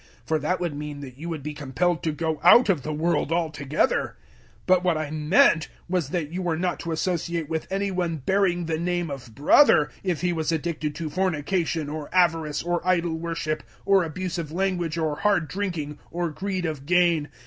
For that would mean that you would be compelled to go out of the world altogether. 005:011 But what I meant was that you were not to associate with any one bearing the name of "brother," if he was addicted to fornication or avarice or idol worship or abusive language or hard drinking or greed of gain.